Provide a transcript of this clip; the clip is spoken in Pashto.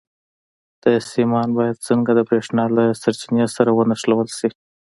دا سیمان باید څنګه د برېښنا له سرچینې سره ونښلول شي؟